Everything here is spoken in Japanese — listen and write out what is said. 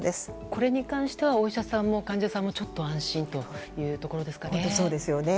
これに関してはお医者さんも患者さんもちょっと安心というところですかね。